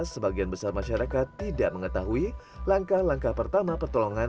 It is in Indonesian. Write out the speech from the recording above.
sebagian besar masyarakat tidak mengetahui langkah langkah pertama pertolongan